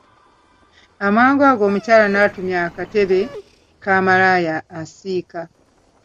Amangu ago omukyala n'atumya akatebe ka malaaya asiika.